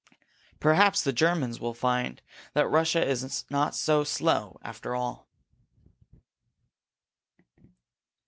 "Perhaps the Germans will find that Russia is not so slow after all!"